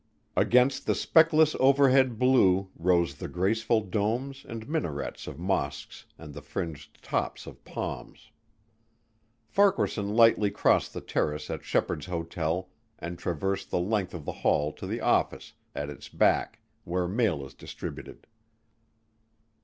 Against the speckless overhead blue, rose the graceful domes and minarets of mosques and the fringed tops of palms. Farquaharson lightly crossed the terrace at Shepheard's Hotel and traversed the length of the hall to the office at its back where mail is distributed.